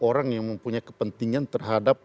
orang yang mempunyai kepentingan terhadap